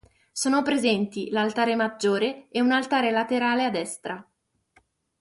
Sono presenti l'altare maggiore e un altare laterale a destra.